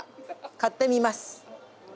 買ってみます。